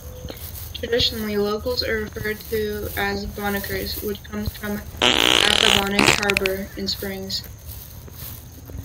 Traditionally, locals are referred to as "Bonackers" which comes from Accabonac Harbor in Springs.